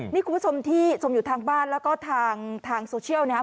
นี่คุณผู้ชมที่ชมอยู่ทางบ้านแล้วก็ทางโซเชียลนะครับ